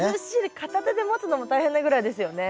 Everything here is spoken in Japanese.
片手で持つのも大変なぐらいですよね。